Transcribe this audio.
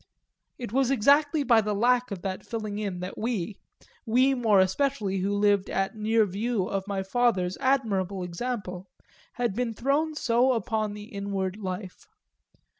It was exactly by the lack of that filling in that we we more especially who lived at near view of my father's admirable example had been thrown so upon the inward life.